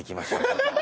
アハハハ！